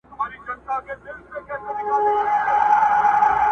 د جنګونو د شیطان قصر به وران سي!